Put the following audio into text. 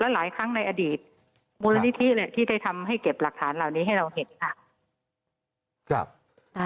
หลายครั้งในอดีตมูลนิธิที่ได้ทำให้เก็บหลักฐานเหล่านี้ให้เราเห็นค่ะ